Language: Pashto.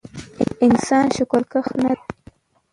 انسان شکرکښ نه دی